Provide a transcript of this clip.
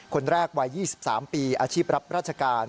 คนแรกวัย๒๓ปีอาชีพรับราชการ